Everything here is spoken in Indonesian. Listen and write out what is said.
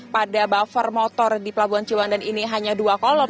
pada buffer motor di pelabuhan ciwandan ini hanya dua kolom